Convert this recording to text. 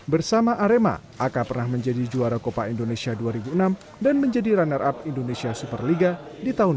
bersama arema ak pernah menjadi juara kopak indonesia dua ribu enam dan menjadi runner up indonesia superliga di tahun dua ribu sebelas